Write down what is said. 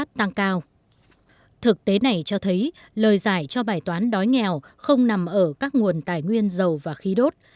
thực tế này cho thấy lời giải cho bài toán đói nghèo không nằm ở các nguồn tài nguyên dầu và khí đốt